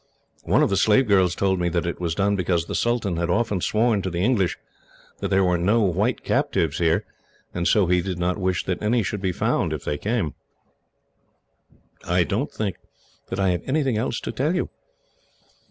One of the slave girls told me that it was done because the sultan had often sworn, to the English, that there were no white captives here, and so he did not wish that any should be found, if they came. "I don't think that I have anything else to tell you."